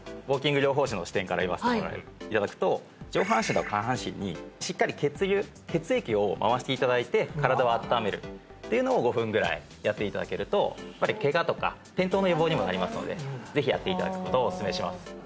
ウォーキング療法士の視点から言わせていただくと上半身と下半身にしっかり血流血液を回していただいて身体を温めるっていうのを５分ぐらいやっていただけるとやっぱりケガとか転倒の予防にもなりますのでぜひやっていただくことをおすすめします